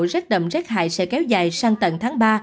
rét đậm rét hại sẽ kéo dài sang tận tháng ba